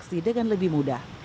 transaksi dengan lebih mudah